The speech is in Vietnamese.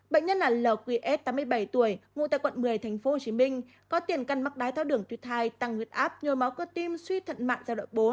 bệnh nhân là lqs tám mươi bảy tuổi ngụ tại quận một mươi tp hcm có tiền căn mắc đái tháo đường tuyệt thai tăng huyết áp nhờ máu cơ tim suy thận mạng gia đội bốn